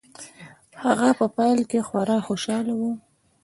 هغه په پیل کې خورا خوشحاله و